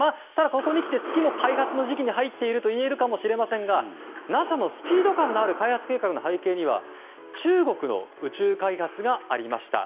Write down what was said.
ここに来て月も開発の時期になっているといえるかもしれませんがＮＡＳＡのスピード感のある開発計画の背景には中国の宇宙開発がありました。